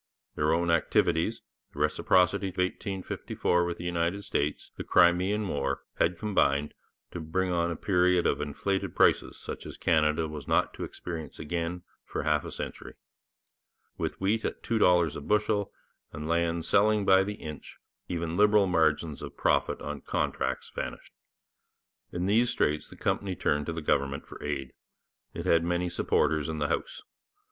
Their own activities, the Reciprocity Treaty of 1854 with the United States, the Crimean War, had combined to bring on a period of inflated prices such as Canada was not to experience again for half a century. With wheat at two dollars a bushel, and 'land selling by the inch,' even liberal margins of profit on contracts vanished. In these straits the company turned to the government for aid. It had many supporters in the House.